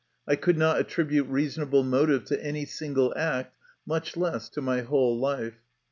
I could not attribute reasonable motive to any single act, much less to my whole life.